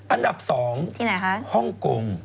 อันดับ๒ฮ่องกรุง